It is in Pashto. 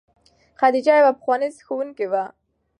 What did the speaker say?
خدیجه یوه پخوانۍ ښوونکې وه.